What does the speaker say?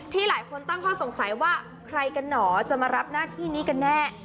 หลายคนตั้งข้อสงสัยว่าใครกันหนอจะมารับหน้าที่นี้กันแน่